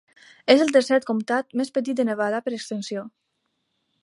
És el tercer comtat més petit de Nevada per extensió.